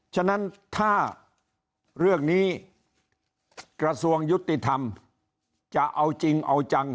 ฉะนั้นถ้าเรื่องนี้กระทรวงยุติธรรมจะเอาจริงเอาจัง